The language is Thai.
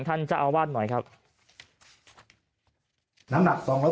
ต้องใช้คนสองคนครั้ง